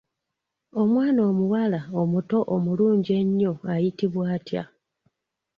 Omwana omuwala omuto omulungi ennyo ayitibwa atya?